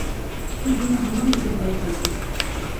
سىز بۇنى ھامان بىر كۈنى بايقايسىز.